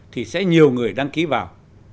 thì sẽ nhiều người đăng ký vào